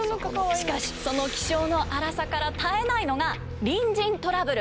しかしその気性の荒さから絶えないのが隣人トラブル。